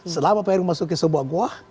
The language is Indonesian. selama pak erick memasuki sebuah goa